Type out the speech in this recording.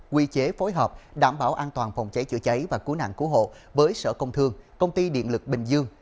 quy chế phối hợp đảm bảo an toàn phòng cháy chữa cháy và cứu nạn cứu hộ với sở công thương công ty điện lực bình dương